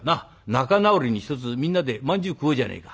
仲直りにひとつみんなでまんじゅう食おうじゃねえか」。